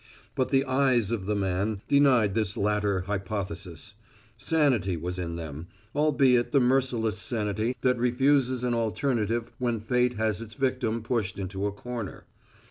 But the eyes of the man denied this latter hypothesis; sanity was in them, albeit the merciless sanity that refuses an alternative when fate has its victim pushed into a corner.